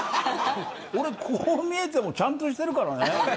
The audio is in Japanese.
俺、こう見えてもちゃんとしてるからね。